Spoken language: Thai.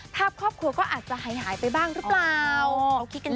ครอบครัวก็อาจจะหายไปบ้างหรือเปล่า